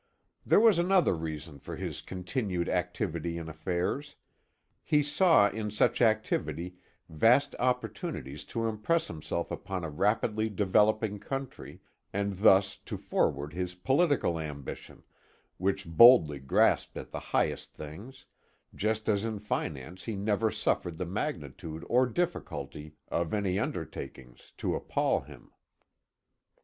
There was another reason for his continued activity in affairs. He saw in such activity vast opportunities to impress himself upon a rapidly developing country, and thus to forward his political ambition, which boldly grasped at the highest things, just as in finance he never suffered the magnitude or difficulty of any undertaking to appal him.